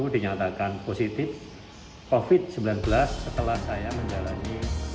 dinyatakan positif covid sembilan belas setelah saya menjalani